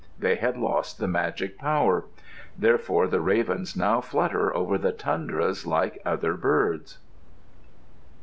They had lost the magic power. Therefore the ravens now flutter over the tundras like other birds.